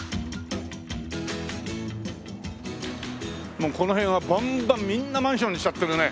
もうこの辺はバンバンみんなマンションにしちゃってるね。